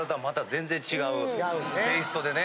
テイストでね。